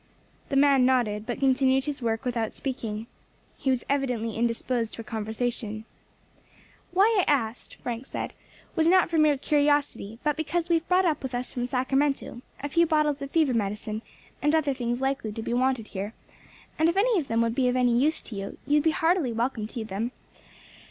The man nodded, but continued his work without speaking. He was evidently indisposed for conversation. "Why I asked," Frank said, "was not for mere curiosity, but because we have brought up with us from Sacramento a few bottles of fever medicine, and other things likely to be wanted here, and if any of them would be of use you will be heartily welcome to them.